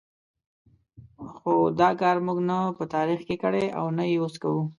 خو دا کار موږ نه په تاریخ کې کړی او نه یې اوس کوو.